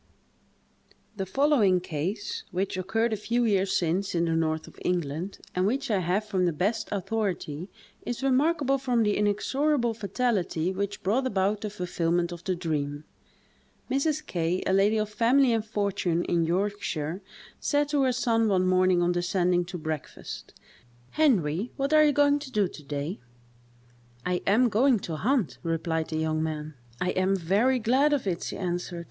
The following case, which occurred a few years since in the north of England, and which I have from the best authority, is remarkable from the inexorable fatality which brought about the fulfilment of the dream: Mrs. K——, a lady of family and fortune in Yorkshire, said to her son, one morning on descending to breakfast: "Henry, what are you going to do to day?" "I am going to hunt," replied the young man. "I am very glad of it," she answered.